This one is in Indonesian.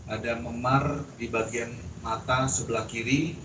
ada memar di bagian mata sebelah kiri